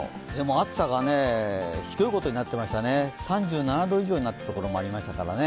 暑さがすごいことになってました３７度以上になったところもありましたからね。